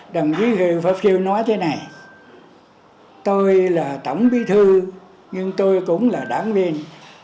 đồng chí phạm phiêu nói thế này tôi là tổng bí thư nhưng tôi cũng là đảng viên